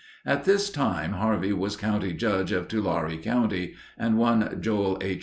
At this time Harvey was County Judge of Tulare County, and one Joel H.